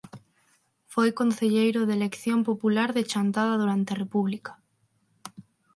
Foi concelleiro de elección popular de Chantada durante a República.